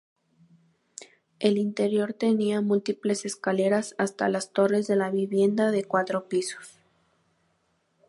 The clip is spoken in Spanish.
El interior tenía múltiples escaleras hasta las torres de la vivienda de cuatro pisos.